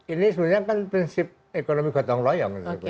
ini sebenarnya kan prinsip ekonomi gotong royong